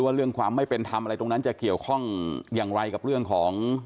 เพื่อความตบายใจของไทยหลายคน